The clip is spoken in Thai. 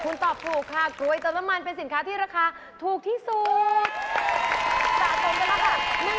คุณตอบถูกค่ะกลุ่ยแต่ละมันเป็นสินค้าที่ราคาถูกที่สุด